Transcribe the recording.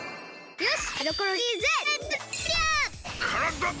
よし！